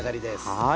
はい。